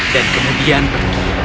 dan kemudian pergi